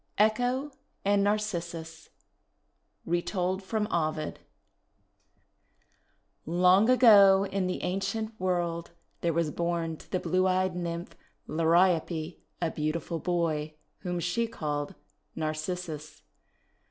ECHO AND NARCISSUS Retold from Ovid LONG ago, in the ancient world, there was born to the blue eyed Nymph Liriope a beautiful boy, whom she called Narcissus.